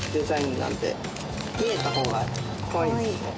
見えた方がかわいいですよね。